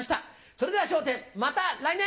それでは『笑点』また来年！